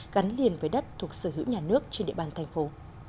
gắn liền với đất thuộc sở hữu nhà nước trên địa bàn thành phố